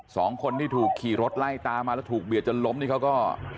สองคนที่ถูกขี่รถไล่ตามมาแล้วถูกเบียดจนล้มนี่เขาก็